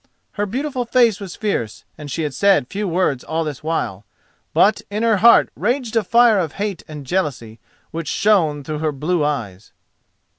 Her beautiful face was fierce and she had said few words all this while, but in her heart raged a fire of hate and jealousy which shone through her blue eyes.